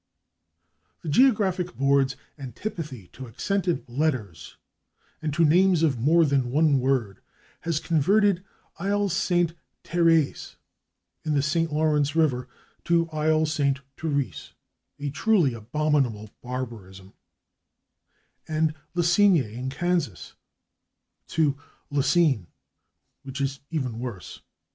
The Geographic Board's antipathy to accented letters and to names of more than one word has converted /Isle Ste. Thérèse/, in the St. Lawrence river, to /Isle Ste. Therese/, a truly abominable barbarism, and /La Cygne/, in Kansas, to /Lacygne/, which is even worse.